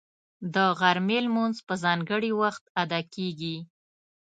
د غرمې لمونځ په ځانګړي وخت ادا کېږي